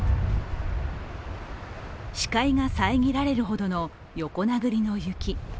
視界が遮られるほどの横殴りの雪。